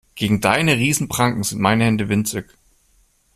Gegen deine Riesen-Pranken sind meine Hände winzig.